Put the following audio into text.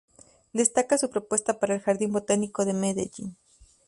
Destaca su propuesta para el Jardín Botánico de Medellín.